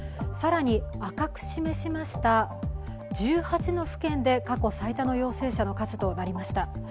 更に赤く示しました１８の府県で過去最多の陽性者の数となりました。